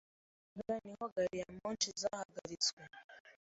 Kubera umuyaga niho gari ya moshi zahagaritswe.